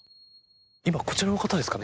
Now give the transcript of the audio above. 今、こちらの方ですかね。